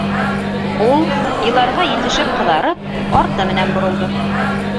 Ул, иларға етешеп ҡыҙарып, арты менән боролдо.